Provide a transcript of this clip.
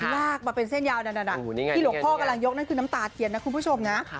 ลากมาเป็นเส้นยาวนั่นที่หลวงพ่อกำลังยกนั่นคือน้ำตาเทียนนะคุณผู้ชมนะ